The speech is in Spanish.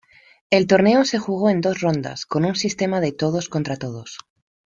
El torneo se jugó en dos rondas con un sistema de todos-contra-todos.